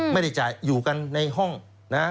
ไม่ได้จ่ายอยู่กันในห้องนะ